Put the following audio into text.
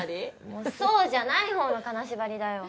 もうそうじゃない方の金縛りだよ。